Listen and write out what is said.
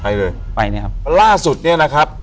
อยู่ที่แม่ศรีวิรัยิลครับ